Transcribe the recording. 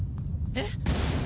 えっ？